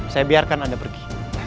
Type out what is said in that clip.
saya biarkan anda pergi